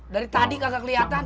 dari tadi kakak kelihatan